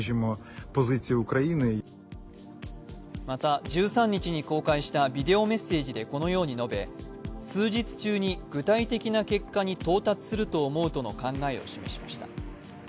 また、１３日に公開したビデオメッセージでこのように述べ、数日中に具体的な結果に到達すると思うとの考えを示しました。